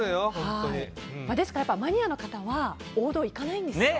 ですから、マニアの方は王道に行かないんですよ。